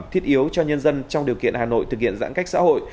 thiết yếu cho nhân dân trong điều kiện hà nội thực hiện giãn cách xã hội